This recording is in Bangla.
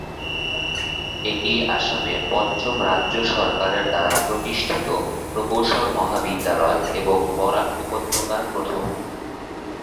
এটি আসামের পঞ্চম রাজ্য সরকারের দ্বারা প্রতিষ্ঠিত প্রকৌশল মহাবিদ্যালয় এবং বরাক উপত্যকার প্রথম।